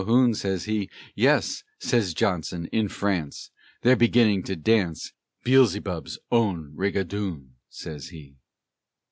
Calhoun, sez he; "Yes," sez Johnson, "in France They're beginnin' to dance Beëlzebub's own rigadoon," sez he.